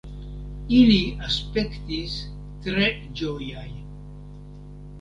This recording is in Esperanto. Ili aspektis tre ĝojaj.